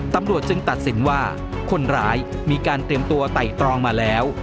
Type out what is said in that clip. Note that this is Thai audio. ตำรวจจึงตัดสินว่าคนร้ายมีการเตรียมตัวไต่ตรองมาแล้ว